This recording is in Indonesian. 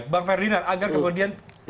bang ferdinand agar kemudian